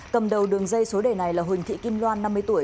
cầm đầu đường dây số đề này là huỳnh thị kim loan năm mươi tuổi